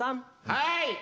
はい！